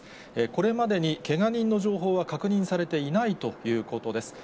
これまでにけが人の情報は確認されていないということです。